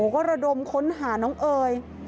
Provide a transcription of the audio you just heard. ก็ระดมค้นหาน้องเอ๋ย